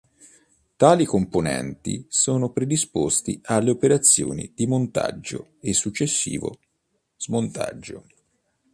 Tali componenti sono predisposti alle operazioni di montaggio e successivo smontaggio.